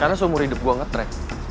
karena seumur hidup gue nge track